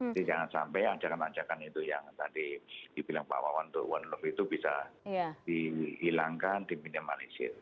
jadi jangan sampai ajakan ajakan itu yang tadi dibilang pak wawan itu one love itu bisa dihilangkan diminimalisir